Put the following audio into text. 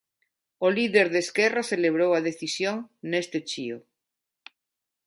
O líder de Esquerra celebrou a decisión neste chío.